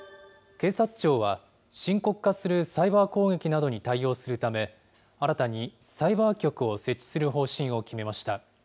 警察庁は深刻化するサイバー攻撃などに対応するため、新たにサイバー局を設置する方針を決めました。